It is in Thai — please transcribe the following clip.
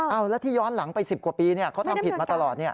เอาแล้วที่ย้อนหลังไป๑๐กว่าปีเขาทำผิดมาตลอด